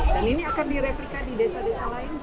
dan ini akan direplika di desa desa lain jack